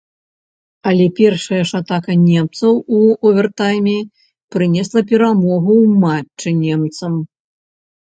Але першая ж атака немцаў у овертайме прынесла перамогу ў матчы немцам.